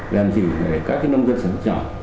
làm gì để các nông dân sản xuất nhỏ